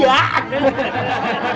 silakan pak komar